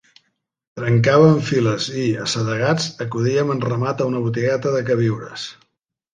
Trencàvem files i, assedegats, acudíem en ramat a una botigueta de queviures